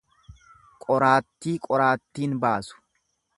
Qoraatti qoraattin baasu.